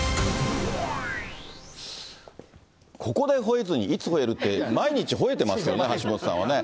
ここでほえずにいつほえるって、毎日ほえてますよね、橋下さんはね。